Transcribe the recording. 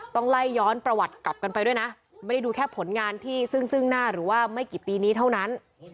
ต้องไล่ย้อนประวัติกลับกันไปด้วยนะไม่ได้ดูแค่ผลงานที่ซึ่งหน้าหรือว่าไม่กี่ปีนี้เท่านั้น